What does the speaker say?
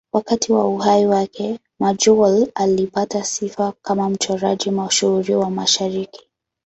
Wakati wa uhai wake, Majolle alipata sifa kama mchoraji mashuhuri wa Mashariki.